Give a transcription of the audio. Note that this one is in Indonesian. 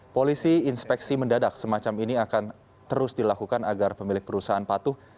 polisi inspeksi mendadak semacam ini akan terus dilakukan agar pemilik perusahaan patuh